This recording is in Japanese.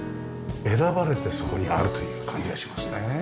選ばれてそこにあるという感じがしますね。